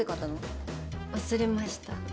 忘れました。